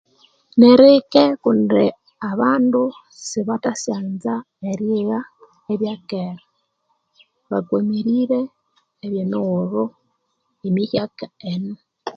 Nirike kundi abandu sibathasanza eryigha ebya kere bakwamirire ebye mighulhu emihyaka enu